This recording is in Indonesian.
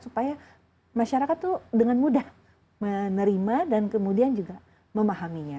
supaya masyarakat itu dengan mudah menerima dan kemudian juga memahaminya